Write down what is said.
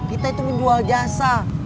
kita itu menjual jasa